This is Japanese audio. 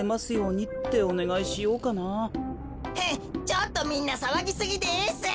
ちょっとみんなさわぎすぎです！